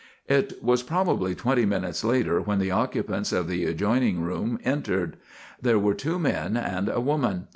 It was probably twenty minutes later when the occupants of the adjoining room entered. There were two men and a woman.